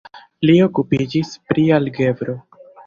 Li okupiĝis pri algebro.